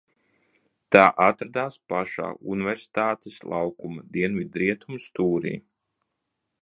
Tā atradās plašā Universitātes laukuma dienvidrietumu stūrī.